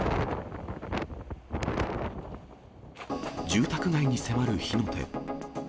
住宅街に迫る火の手。